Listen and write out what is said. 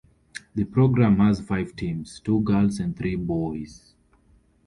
The program has five teams: two girls' and three boys'.